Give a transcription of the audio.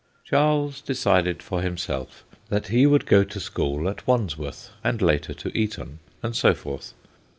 Charles decided for himself that he would go to school at Wandsworth and later to Eton, and so forth.